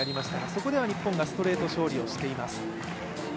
そこでは日本がストレート勝利をしています。